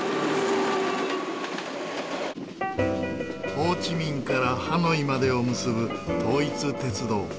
ホーチミンからハノイまでを結ぶ統一鉄道。